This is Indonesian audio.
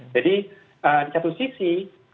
jadi di satu sisi kita telah mengalami ini